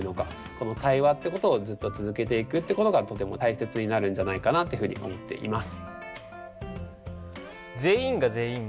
この対話ってことをずっと続けていくってことがとても大切になるんじゃないかなっていうふうに思っています。